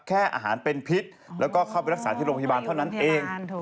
แค่อาหารเป็นพิษแล้วก็เข้าไปรักษาที่โรงพยาบาลเท่านั้นเอง